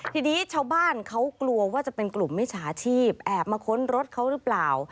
ทีนี้ชาวบ้านเขากลัวว่าจะเป็นกลุ่มมิจฉาชีพแอบมาค้นรถเขาหรือเปล่า